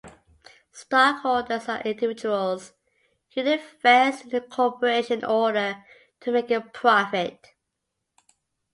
Stockholders are individuals who invest in a corporation in order to make a profit.